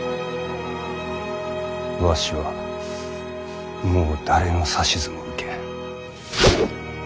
わしはもう誰の指図も受けん。